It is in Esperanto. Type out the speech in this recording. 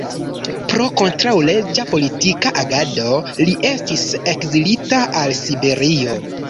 Pro kontraŭleĝa politika agado li estis ekzilita al Siberio.